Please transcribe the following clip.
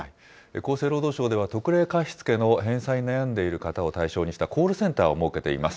厚生労働省では特例貸付の返済に悩んでいる人を対象にしたコールセンターを設けています。